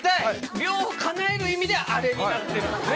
両方かなえる意味であれになってるんすね。